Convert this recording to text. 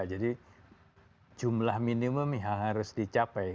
jadi jumlah minimum yang harus dicapai